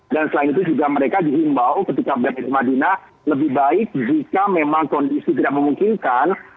dan selain itu juga mereka dihimbau ketika berada di medina lebih baik jika memang kondisi tidak memungkinkan